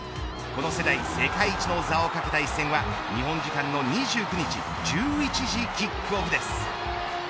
この世代、世界一の座を懸けた一戦は日本時間の２９日１１時キックオフです。